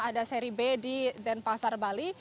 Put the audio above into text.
ada seri b di denpasar bali